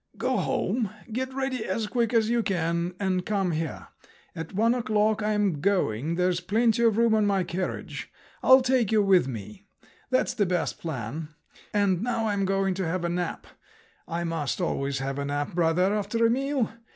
"Go home, get ready as quick as you can, and come here. At one o'clock I am going, there's plenty of room in my carriage. I'll take you with me. That's the best plan. And now I'm going to have a nap. I must always have a nap, brother, after a meal.